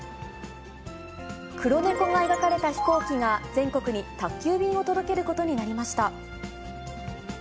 黒猫が描かれた飛行機が、全国に宅急便を届けることになりました。